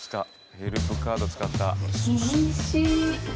ヘルプカード使った。